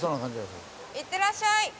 いってらっしゃい！